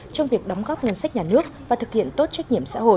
trong việc đóng góp ngân sách nhà nước và thực hiện tốt trách nhiệm xã hội